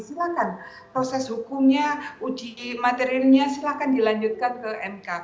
silahkan proses hukumnya uji materinya silahkan dilanjutkan ke mk